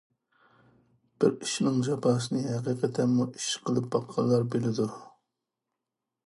بىر ئىشنىڭ جاپاسىنى ھەقىقەتەنمۇ ئىش قىلىپ باققانلارلا بىلىدۇ.